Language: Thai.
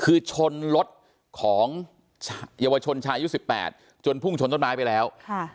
คือชนรถของเยาวชนชายุสิบแปดจนพุ่งชนต้นไม้ไปแล้วค่ะ